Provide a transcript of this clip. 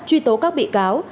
truy tố các bị cáo